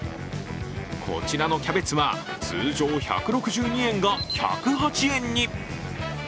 こちらのキャベツは、通常１６２円が１０８円に。